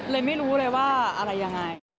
ไม่รู้เลยว่าอะไรยังไง